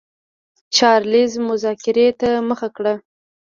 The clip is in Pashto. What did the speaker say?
چارلېز مذاکرې ته مخه کړه.